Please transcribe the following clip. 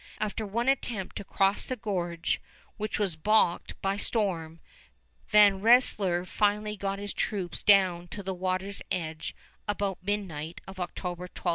After one attempt to cross the gorge, which was balked by storm, Van Rensselaer finally got his troops down to the water's edge about midnight of October 12 13.